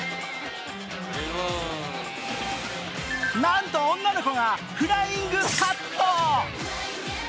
なんと女の子がフライングカット。